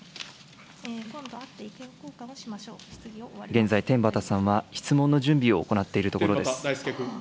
現在、天畠さんは質問の準備を行っているところです。